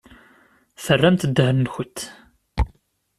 Terramt ddehn-nwent.